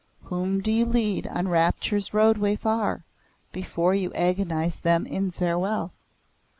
Whom do you lead on Rapture's roadway far, Before you agonize them in farewell?"